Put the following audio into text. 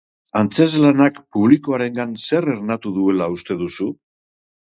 Antzezlanak publikoarengan zer ernatu duela uste duzu?